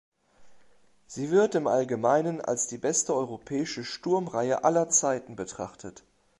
Sie wird im Allgemeinen als die beste europäische Sturmreihe aller Zeiten betrachtet.